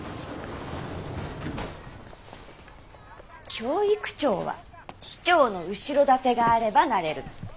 教育長は市長の後ろ盾があればなれるの。